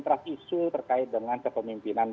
trust isu terkait dengan kepemimpinan